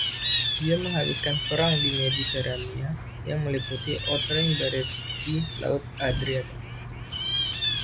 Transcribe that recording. Dia menghabiskan perang di Mediterania, yang meliputi Otranto Barrage di Laut Adriatik.